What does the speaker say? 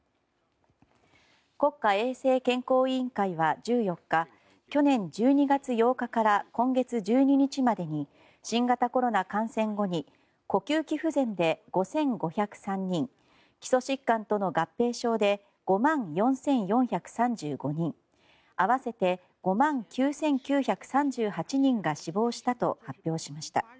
国家衛生健康委員会は１４日去年１２月８日から今月１２日までに新型コロナ感染後に呼吸器不全で５５０３人基礎疾患との合併症で５万４４３５人合わせて５万９９３８人が死亡したと発表しました。